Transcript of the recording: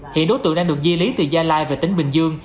hiện đối tượng đang được di lý từ gia lai về tỉnh bình dương